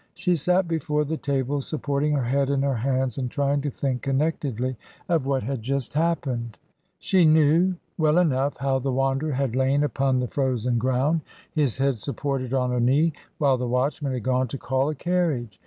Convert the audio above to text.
She sat before the table, supporting her head in her hands and trying to think connectedly of what had just happened. She knew well enough how the Wanderer had lain upon the frozen ground, his head supported on her knee, while the watchman had gone to call a carriage.